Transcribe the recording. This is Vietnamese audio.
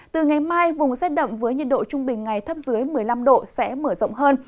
từ ngày mai vùng rét đậm với nhiệt độ trung bình ngày thấp dưới một mươi năm độ sẽ mở rộng hơn